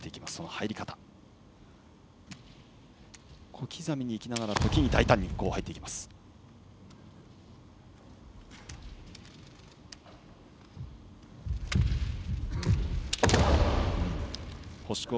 小刻みにいきながら大胆に入っていく、星子。